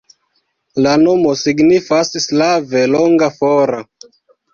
La nomo signifas slave longa, fora.